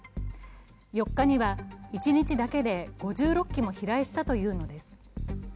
４日には一日だけで５６機も飛来したというのです。